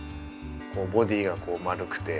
ボディーがこう丸くて。